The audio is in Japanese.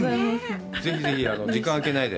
ぜひぜひ時間をあけないで。